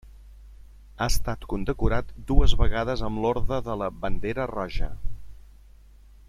Ha estat condecorat dues vegades amb l'Orde de la Bandera Roja.